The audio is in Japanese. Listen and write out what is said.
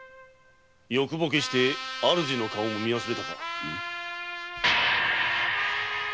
欲ぼけして主の顔も見忘れたか！